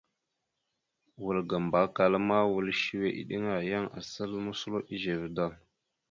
Wal ga Mbakala ma, wal səwe eɗeŋa, yan asal moslo ezeve da.